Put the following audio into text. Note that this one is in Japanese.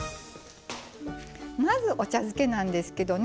まずお茶漬けなんですけどね